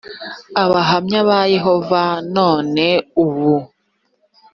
abahamya ba yehova none ubu